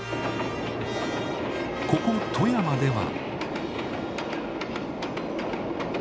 ここ富山では。